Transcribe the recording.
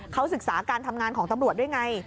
เขาศึกษาการทำงานของตำรวจด้วยไง